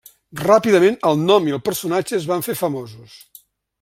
Ràpidament, el nom i el personatge es van fer famosos.